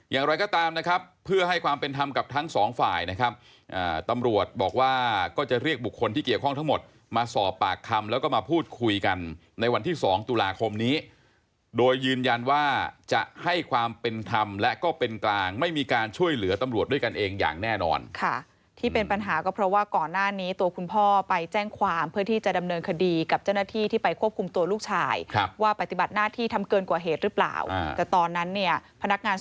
อย่างไรก็ตามนะครับเพื่อให้ความเป็นทำกับทั้งสองฝ่ายนะครับอ่าตำรวจบอกว่าก็จะเรียกบุคคลที่เกี่ยวข้องทั้งหมดมาสอบปากคำแล้วก็มาพูดคุยกันในวันที่สองตุลาคมนี้โดยยืนยันว่าจะให้ความเป็นทำและก็เป็นกลางไม่มีการช่วยเหลือตำรวจด้วยกันเองอย่างแน่นอนค่ะที่เป็นปัญหาก็เพราะว่าก่อนหน้านี้ต